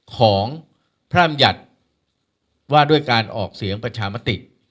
ของพระอำยัติว่าด้วยการออกเสียงประชามติ